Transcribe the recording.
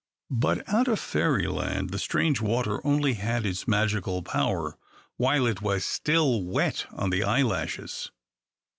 But, out of Fairyland, the strange water only had its magical power while it was still wet on the eyelashes.